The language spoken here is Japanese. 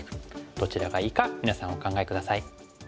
どちらがいいか皆さんお考え下さい。